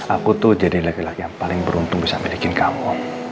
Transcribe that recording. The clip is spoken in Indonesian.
aku tuh jadi laki laki yang paling beruntung bisa milikin kamu